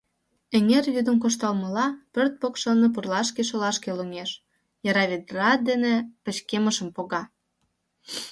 Эҥер вӱдым кошталмыла, пӧрт покшелне пурлашке-шолашке лоҥеш, яра ведра дене пычкемышым пога.